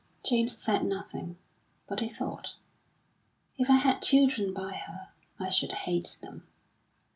James said nothing, but he thought: "If I had children by her, I should hate them."